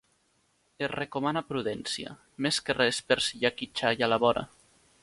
Es recomana prudència, més que res per si hi ha quitxalla a la vora.